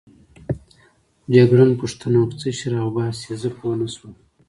جګړن پوښتنه وکړه: څه شی راوباسې؟ زه پوه نه شوم.